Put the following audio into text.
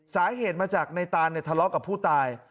สาเหตุมาจากในตานทะเลาะกับผู้ตาย